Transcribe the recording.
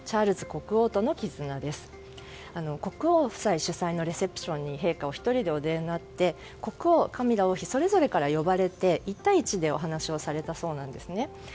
国王夫妻主催のレセプションに陛下お１人でお出になって国王、カミラ王妃それぞれから呼ばれて１対１でお話をされたそうなんですね。